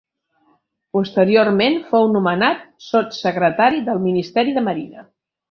Posteriorment fou nomenat sotssecretari del ministeri de Marina.